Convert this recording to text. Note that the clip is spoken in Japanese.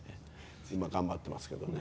今、頑張ってますけどね。